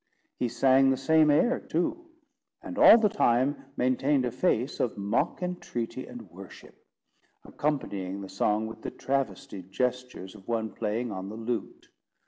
He sang the same air too; and, all the time, maintained a face of mock entreaty and worship; accompanying the song with the travestied gestures of one playing on the lute.